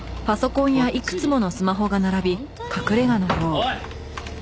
おい！